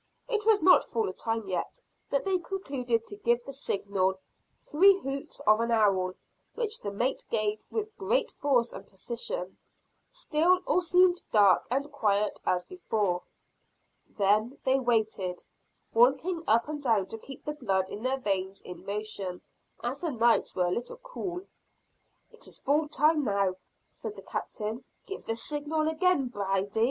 It was not full time yet, but they concluded to give the signal, three hoots of an owl; which the mate gave with great force and precision. Still all seemed dark and quiet as before. Then they waited, walking up and down to keep the blood in their veins in motion, as the nights were a little cool. "It is full time now," said the Captain, "give the signal again, Brady."